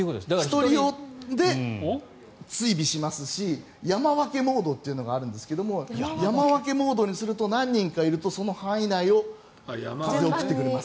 １人用で追尾しますし山分けモードというのがあるんですが山分けモードにすると何人かいるとその範囲内を風を送ってくれます。